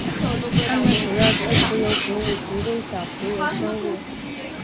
它们主要吃浮游植物及微小浮游生物。